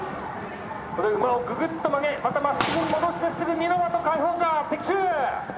ここで馬をぐぐっと曲げまたまっすぐに戻してすぐ二ノ的下方射的中。